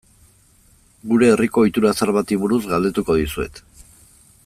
Gure herriko ohitura zahar bati buruz galdetuko dizuet.